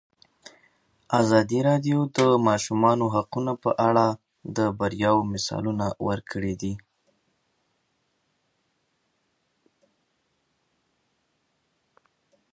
ازادي راډیو د د ماشومانو حقونه په اړه د بریاوو مثالونه ورکړي.